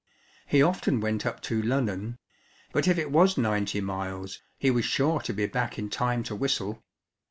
He often went up to "Lunnon," but if it was ninety miles, he was sure to be back in time to whistle.